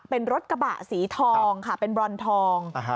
เป็นรถกระบะสีทองค่ะเป็นบรอนทอง